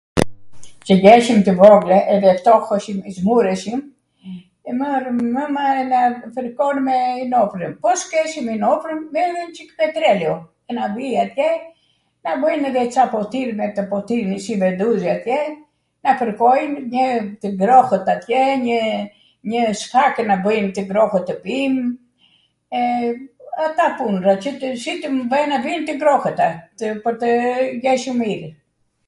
Qw jeshwm tw vogwl, edhe ftoheshim i smureshim, e marrwm mwma e na fwrkon me inopnevm. Po s'keshwm inopnem merrej njwCik petreleo, na vij atje, na bwjn edhe ca potir, me tw potir si venduze atje, na fwrkojn, njw tw grohwt atje, njw sfakw na bwjn tw ngrowhtw te pijm, e... ata punwra, si tw bwjm tw na vijn tw ngrohwta, tw... jeshwm mirw.